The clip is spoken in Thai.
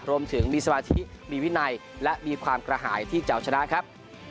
รวมถึงมีสมาธิมีวินัยและมีความกระหายที่จะเอาชนะครับ